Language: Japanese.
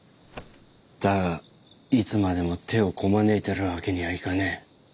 だがいつまでも手をこまねいてる訳にはいかねえ。